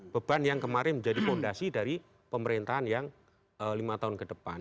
beban yang kemarin menjadi fondasi dari pemerintahan yang lima tahun ke depan